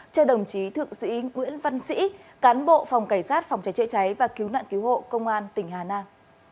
cho đồng chí thượng sĩ nguyễn văn sĩ cán bộ phòng cảnh sát phòng cháy chữa cháy và cứu nạn cứu hộ công an tỉnh hà nam